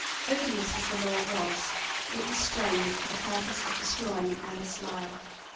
Odious as the law was, it was strained for the purpose of destroying Alice Lisle.